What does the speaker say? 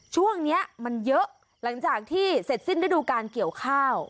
ช่วงนี้มันเยอะหลังจากที่เสร็จสิ้นฤดูการเกี่ยวข้าว